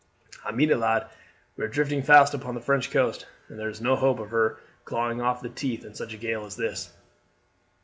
"I mean it, lad. We are drifting fast upon the French coast, and there is no hope of her clawing off in the teeth of such a gale as this."